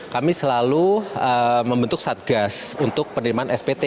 kami selalu membentuk satgas untuk penerimaan spt